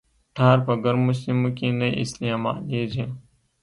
ټار په ګرمو سیمو کې نه استعمالیږي